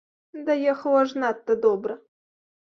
Даехаў аж надта добра.